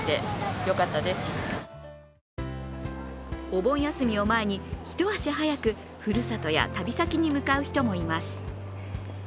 お盆休みを前に、一足早く、ふるさとや旅先に向かう人もいます。